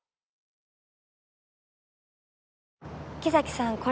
木崎さん。